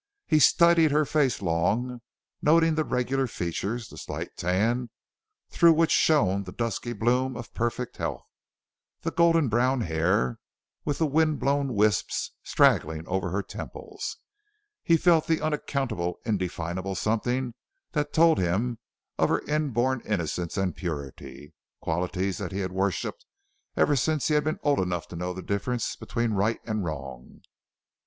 He studied her face long, noting the regular features, the slight tan, through which shone the dusky bloom of perfect health; the golden brown hair, with the wind blown wisps straggling over her temples; he felt the unaccountable, indefinable something that told him of her inborn innocence and purity qualities that he had worshiped ever since he had been old enough to know the difference between right and wrong.